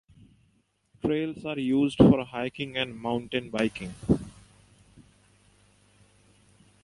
Trails are used for hiking and mountain biking.